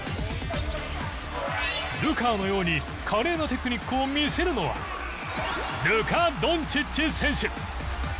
流川のように華麗なテクニックを見せるのはルカ・ドンチッチ選手。